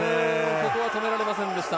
ここは止められませんでした。